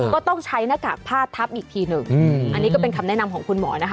ก็ต้องใช้หน้ากากผ้าทับอีกทีหนึ่งอันนี้ก็เป็นคำแนะนำของคุณหมอนะคะ